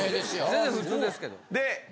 全然普通ですけど。